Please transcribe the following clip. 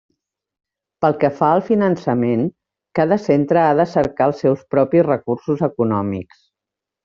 Pel que fa al finançament, cada centre ha de cercar els seus propis recursos econòmics.